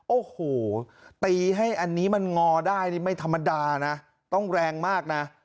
โอ้โหตีให้อันนี้มันงอได้นี่ไม่ธรรมดานะต้องแรงมากนะ